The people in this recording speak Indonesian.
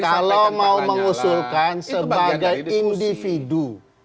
kalau mau mengusulkan sebagai individu